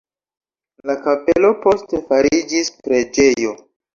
La kapelo poste fariĝis preĝejo.